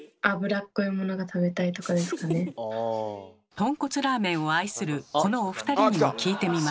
とんこつラーメンを愛するこのお二人にも聞いてみました。